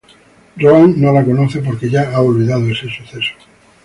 Rohan no la conoce, porque ya ha olvidado ese suceso.